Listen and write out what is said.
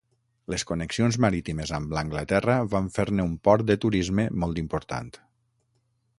Les connexions marítimes amb l'Anglaterra van fer-ne un port de turisme molt important.